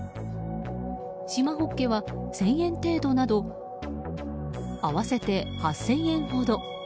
しまホッケは１０００円程度など合わせて８０００円ほど。